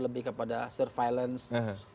lebih kepada surveillance